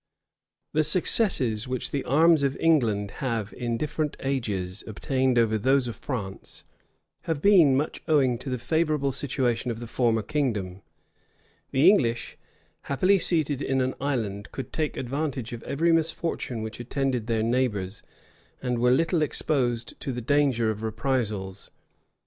The successes which the arms of England have, in different ages, obtained over those of France, have been much owing to the favorable situation of the former kingdom. The English, happily seated in an island, could make advantage of every misfortune which attended their neighbors, and were little exposed to the danger of reprisals.